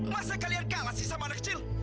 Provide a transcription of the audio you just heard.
masa kalian kalah sih sama anak kecil